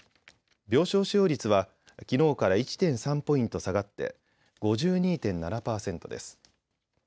病床使用率はきのうから１．３ポイント下がって５２．７％です。